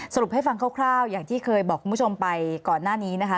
ให้ฟังคร่าวอย่างที่เคยบอกคุณผู้ชมไปก่อนหน้านี้นะคะ